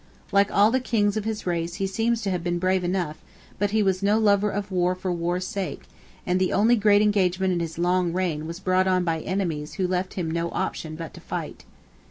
Like all the kings of his race he seems to have been brave enough: but he was no lover of war for war's sake, and the only great engagement in his long reign was brought on by enemies who left him no option but to fight.